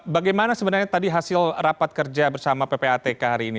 bagaimana sebenarnya tadi hasil rapat kerja bersama ppatk hari ini